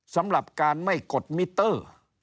สำหรับการไม่กดมิเตอร์